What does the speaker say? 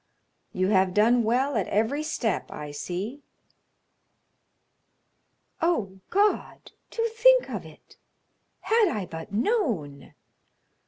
You have done well at every step, I see." "Oh, God; to think of it! Had I but known!